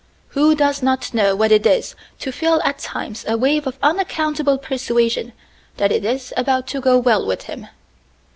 Who does not know what it is to feel at times a wave of unaccountable persuasion that it is about to go well with him?